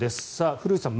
古内さん